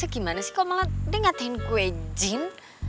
tante gimana sih kalo malah dia ngatain gue jin